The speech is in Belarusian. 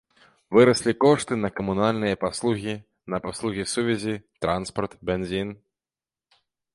Выраслі кошты на камунальныя паслугі, на паслугі сувязі, транспарт, бензін.